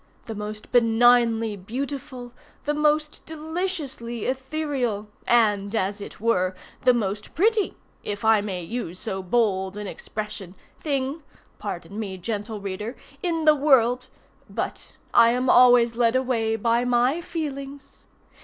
the most benignly beautiful, the most deliciously ethereal, and, as it were, the most pretty (if I may use so bold an expression) thing (pardon me, gentle reader!) in the world—but I am always led away by my feelings.